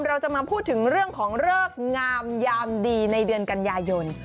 เราจะมาพูดถึงเรื่องของเลิกงามยามดีในเดือนกันยายน